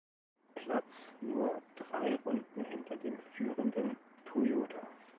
Platz, nur drei Runden hinter dem führenden Toyota.